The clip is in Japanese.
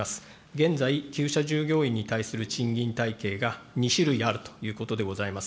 現在、きゅう舎従業員に対する賃金体系が２種類あるということでございます。